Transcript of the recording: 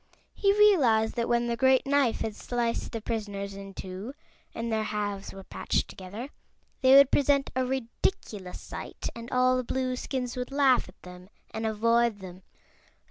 He realized that when the great knife had sliced the prisoners in two, and their halves were patched together, they would present a ridiculous sight and all the Blueskins would laugh at them and avoid them.